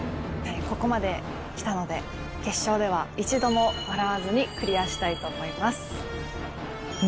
ここまで来たので、決勝では一度も笑わずにクリアしたいと思います。